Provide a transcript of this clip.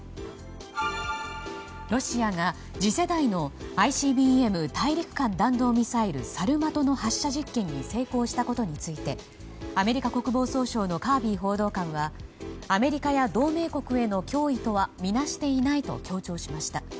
ロシアが次世代のＩＣＢＭ・大陸間弾道ミサイルサルマトの発射実験に成功したことについてアメリカ国防総省のカービー報道官はアメリカや同盟国への脅威とはみなしていないと強調しました。